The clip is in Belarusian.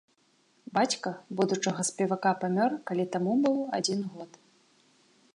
Бацька будучага спевака памёр, калі таму быў адзін год.